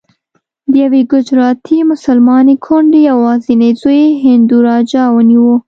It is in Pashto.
د یوې ګجراتي مسلمانې کونډې یوازینی زوی هندو راجا ونیو.